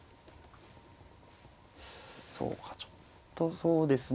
そうかちょっとそうですね